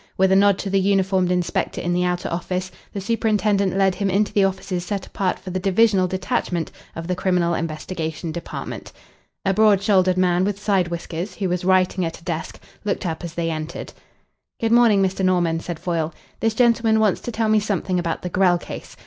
With a nod to the uniformed inspector in the outer office, the superintendent led him into the offices set apart for the divisional detachment of the Criminal Investigation Department. A broad shouldered man with side whiskers, who was writing at a desk, looked up as they entered. "Good morning, Mr. Norman," said Foyle. "This gentleman wants to tell me something about the Grell case.